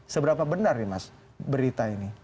seberapa benar nih mas berita ini